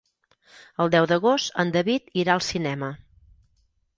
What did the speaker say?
El deu d'agost en David irà al cinema.